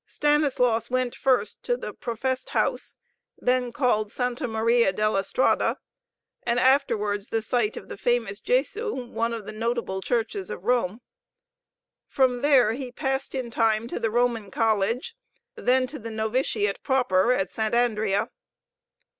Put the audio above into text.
Stanislaus went first to the Professed House, then called Santa Maria della Strada, and afterward the site of the famous Gesu, one of the notable churches of Rome. From there he passed in time to the Roman College, then to the Noviciate proper at Sant' Andrea.